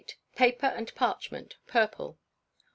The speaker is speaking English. Paper and Parchment._Purple.